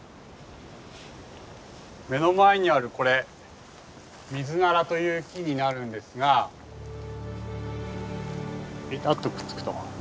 目の前にあるこれミズナラという木になるんですがベタッとくっつくと。